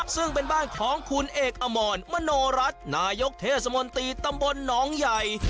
ซึ่งเป็นบ้านของคุณเอกอมรมโนรัฐนายกเทศมนตรีตำบลหนองใหญ่